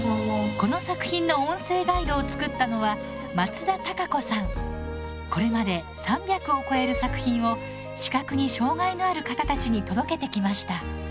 この作品の音声ガイドを作ったのはこれまで３００を超える作品を視覚に障がいのある方たちに届けてきました。